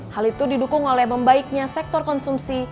hal itu didukung oleh membaiknya sektor konsumsi